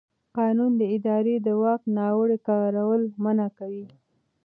قانون د ادارې د واک ناوړه کارول منع کوي.